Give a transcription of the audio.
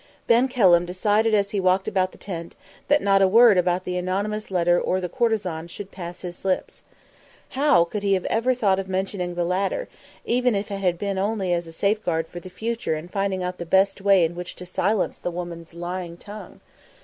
Ben Kelham decided as he walked about the tent that not a word about the anonymous letter or the courtesan should pass his lips. How could he ever have thought of mentioning the matter, even if it had been only as a safeguard for the future in finding out the best way in which to silence the woman's lying tongue?